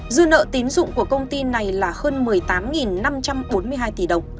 dư nợ tín dụng của công ty này là hơn một mươi tám năm trăm bốn mươi hai tỷ đồng